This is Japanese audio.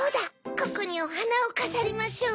ここにおはなをかざりましょう。